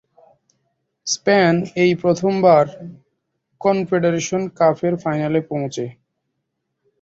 Spain এই প্রথম বার কনফেডারেশন কাপের ফাইনালে পৌঁছে।